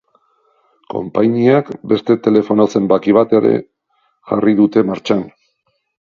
Konpainiak beste telefono zenbaki bat ere jarri dute martxan.